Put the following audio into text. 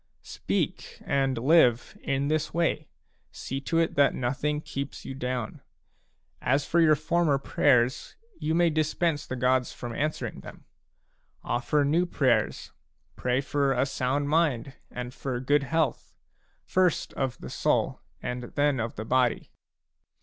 Speak, and live, in this way ; see to it that nothing keeps you down. As for your former prayers, you may dispense the gods from answering them ; ofFer new prayers ; pray for a sound mind and for good health, first of soul and then of body.